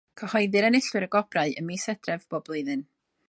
Cyhoeddir enillwyr y gwobrau ym mis Hydref bob blwyddyn.